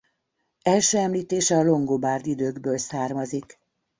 Első említése a longobárd időkből származik.